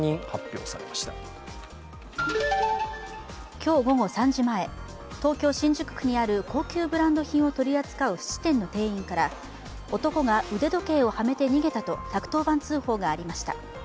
今日午後３時前、東京・新宿区にある高級ブランド品を取り扱う質店の店員から男が腕時計をはめて逃げたと１１０番通報がありました。